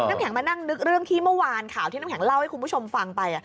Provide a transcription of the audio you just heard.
น้ำแข็งมานั่งนึกเรื่องที่เมื่อวานข่าวที่น้ำแข็งเล่าให้คุณผู้ชมฟังไป